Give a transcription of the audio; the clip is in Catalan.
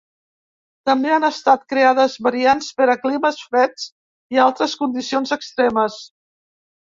També han estat creades variants per a climes freds i altres condicions extremes.